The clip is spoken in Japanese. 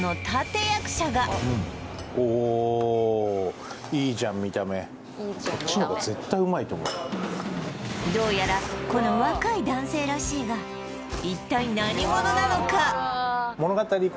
おおと思うどうやらこの若い男性らしいが一体何者なのか？